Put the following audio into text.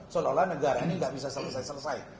seolah olah negara ini gak bisa selesai selesai